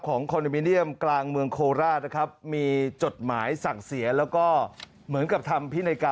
คอนโดมิเนียมกลางเมืองโคราชนะครับมีจดหมายสั่งเสียแล้วก็เหมือนกับทำพินัยกรรม